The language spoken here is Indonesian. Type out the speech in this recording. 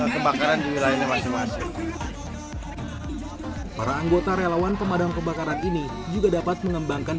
kebakaran di wilayahnya masing masing para anggota relawan pemadam kebakaran ini juga dapat mengembangkan